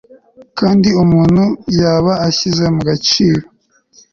kandi umuntu yaba ashyize mu gaciro